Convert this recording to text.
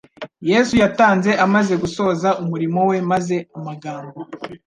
Yesu yatanze amaze gusoza umurimo we maze amagambo